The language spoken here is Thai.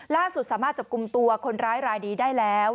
ล่าสุดสามารถจับกลุ่มตัวคนร้ายรายนี้ได้แล้ว